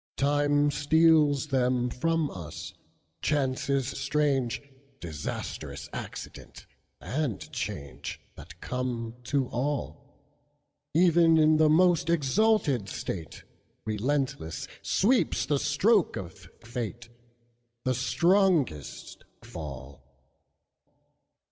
Time steals them from us, chances strange, Disastrous accident, and change, That come to all; Even in the most exalted state, Relentless sweeps the stroke of fate; The strongest fall.